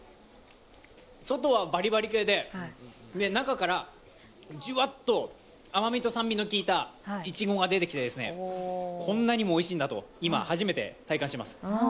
外はバリバリ系で、中からじゅわっと甘みと酸味のきいたいちごが出てきて、こんなにもおいしいんだと今、初めて体感しています。